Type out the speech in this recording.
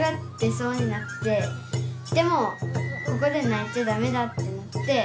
でもここで泣いちゃダメだって思って。